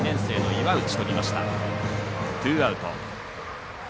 ツーアウト。